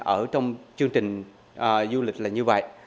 ở trong chương trình du lịch là như vậy